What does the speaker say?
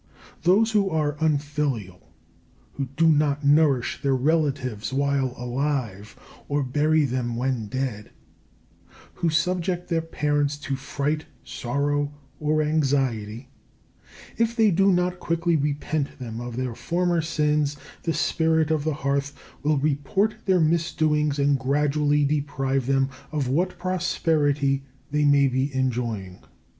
Those who are unfilial, who do not nourish their relatives while alive or bury them when dead, who subject their parents to fright, sorrow, or anxiety if they do not quickly repent them of their former sins, the spirit of the Hearth will report their misdoings and gradually deprive them of what prosperity they may be enjoying.